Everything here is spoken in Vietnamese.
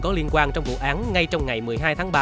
có liên quan trong vụ án ngay trong ngày một mươi hai tháng ba